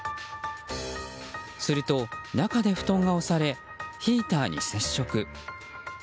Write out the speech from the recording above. すると、中でふとんが押されヒーターに接触。